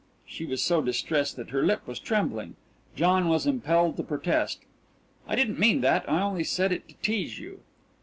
She was so distressed that her lip was trembling. John was impelled to protest: "I didn't mean that; I only said it to tease you."